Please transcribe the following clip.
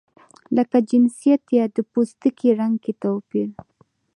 لکه جنسیت یا د پوستکي رنګ کې توپیر.